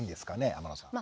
天野さん。